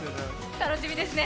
楽しみですね。